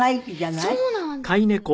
そうなんです。